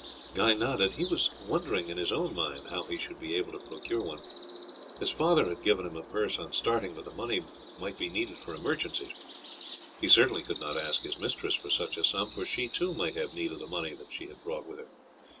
Guy nodded. He was wondering in his own mind how he should be able to procure one. His father had given him a purse on starting, but the money might be needed for emergencies. He certainly could not ask his mistress for such a sum, for she too might have need of the money that she had brought with her.